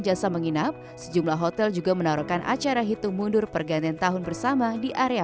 jasa menginap sejumlah hotel juga menaruhkan acara hitung mundur pergantian tahun bersama di area